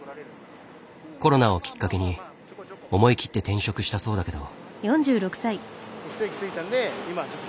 コロナをきっかけに思い切って転職したそうだけど。